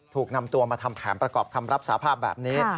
ถูกนำตัวมาทำแผนประกอบคำรับสาภาพแบบนี้